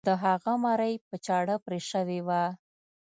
د هغه مرۍ په چاړه پرې شوې وه.